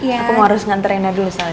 aku harus nganterinnya dulu salda